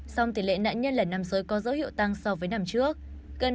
song tỷ lệ nạn nhân lần năm rồi có dấu hiệu tăng so với năm trước